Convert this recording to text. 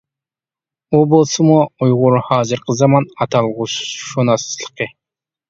ئۇ بولسىمۇ ئۇيغۇر ھازىرقى زامان ئاتالغۇشۇناسلىقى.